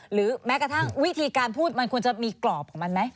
หรือแม้กระทั่งวิธีการพูดมันควรจะมีกรอบของมันไหม